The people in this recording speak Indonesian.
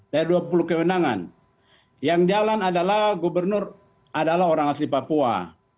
dari dua puluh kewenangan yang jalan adalah gubernur adalah orang asli papua